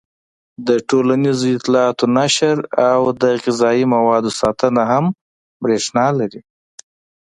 د ټولنیزو اطلاعاتو نشر او د غذايي موادو ساتنه هم برېښنا لري.